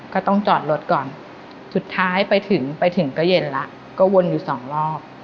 ก็ต้องจอดรถก่อนสุดท้ายไปถึงไปถึงก็เย็นแล้วก็วนอยู่สองรอบ